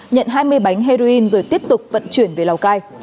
nhận hai mươi bánh heroin rồi tiếp tục vận chuyển về lào cai